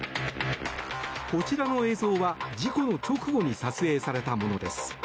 こちらの映像は、事故の直後に撮影されたものです。